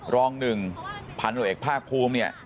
รองหนึ่งพันธุรกิจเอกภาคภูมิเนี่ย